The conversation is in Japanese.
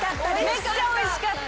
めっちゃおいしかった。